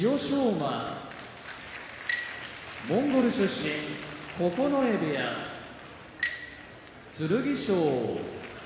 馬モンゴル出身九重部屋剣翔